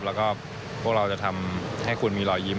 แล้วก็พวกเราจะทำให้คุณมีรอยยิ้ม